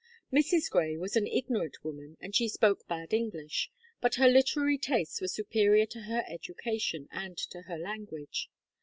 Mrs. Gray was an ignorant woman, and she spoke bad English; but her literary tastes were superior to her education and to her language.